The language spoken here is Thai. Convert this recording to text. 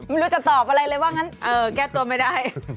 ไม่รู้จะตอบอะไรเลยว่างั้นแก้ตัวไม่ได้